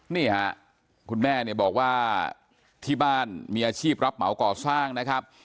นี่ค่ะคุณแม่เนี่ยบอกว่าที่บ้านมีอาชีพรับเหมาก่อสร้างนะครับ